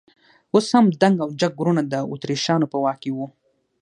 اوس هم دنګ او جګ غرونه د اتریشیانو په واک کې وو.